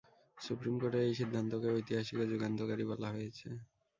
Supreme কোর্টের এই সিদ্ধান্তকে ঐতিহাসিক ও যুগান্তকারী বলা হয়েছে।